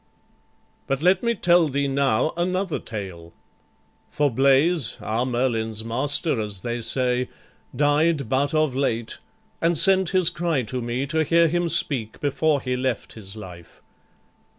"But let me tell thee now another tale: For Bleys, our Merlin's master, as they say, Died but of late, and sent his cry to me, To hear him speak before he left his life.